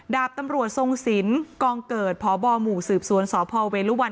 ดาบตำรวจทรงสินกองเกิดพบหมู่สืบสวนสพเวรุวัน